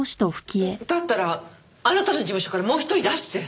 だったらあなたの事務所からもう一人出して。